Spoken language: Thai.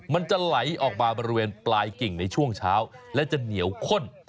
มันจะไหลออกมาบริเวณปลายกิ่งในช่วงเช้าและจะเหนียวข้น